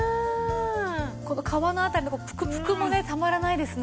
この皮の辺りのぷくぷくもねたまらないですね。